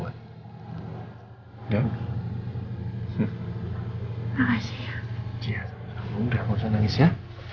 makasih ya udah nggak usah nangis ya